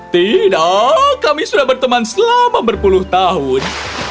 tidak kami sudah berteman selama berpuluh tahun